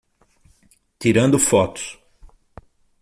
Tirando fotos